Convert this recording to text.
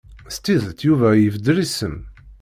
S tidet Yuba ibeddel isem?